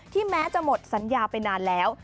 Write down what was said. แม้จะหมดสัญญาไปนานแล้ว